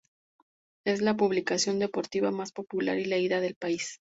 Es la publicación deportiva más popular y leída del país.